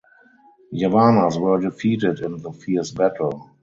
Yavanas were defeated in the fierce battle.